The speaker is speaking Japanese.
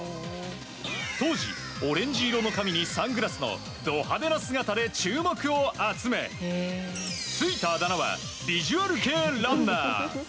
当時オレンジ色の髪にサングラスのド派手な姿で注目を集め、ついたあだ名はビジュアル系ランナー。